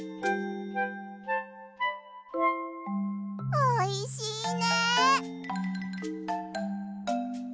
おいしいね！